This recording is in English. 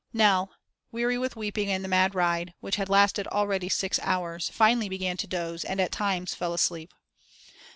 Nell, weary with weeping and the mad ride, which had lasted already six hours, finally began to doze, and at times fell asleep.